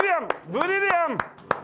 ブリリアン！